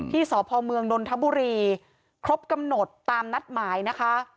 สพเมืองนนทบุรีครบกำหนดตามนัดหมายนะคะ